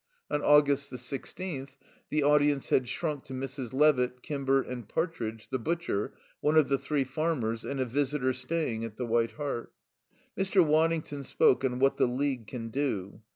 On August the sixteenth, the audience had shrunk to Mrs. Levitt, Kimber and Partridge, the butcher, one of the three farmers, and a visitor staying at the White Hart. Mr. Waddington spoke on "What the League Can Do."